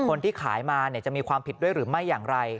คนที่ขายมาจะมีความผิดด้วยหรือไม่อย่างไร